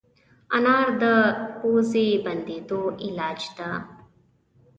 انار د پوزې بندېدو علاج دی.